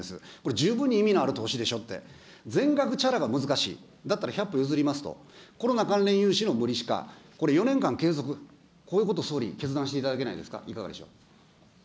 十分意味のある投資でしょって、全額ちゃらは難しい、だったら１００歩譲りますと、コロナ関連融資の無利子化、これ４年間継続、こういうことを総理、決断していただけないですか、いかがでしょう。